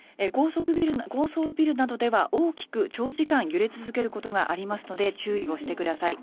高層ビルなどでは大きく長時間揺れ続けることがありますので注意をしてください。